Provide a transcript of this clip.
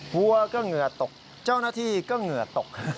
วัวก็เหงื่อตกเจ้าหน้าที่ก็เหงื่อตก